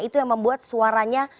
itu yang membuat suaranya